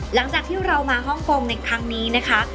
หลังจากที่เรามาฮ่องกงในครั้งนี้นะคะ